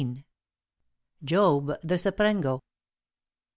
JOB, THE SAPENGRO.